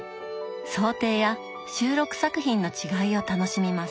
装丁や収録作品の違いを楽しみます。